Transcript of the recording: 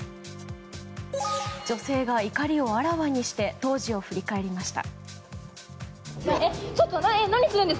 女性が怒りをあらわにして当時を振り返りました。